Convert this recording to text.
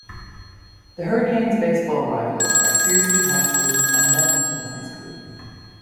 The Hurricanes baseball rivals are Searcy High School and Nettleton High School.